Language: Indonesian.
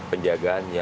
ini untuk apa